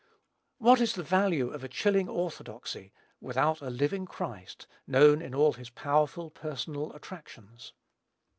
What is the value of a chilling orthodoxy without a living Christ, known in all his powerful, personal attractions?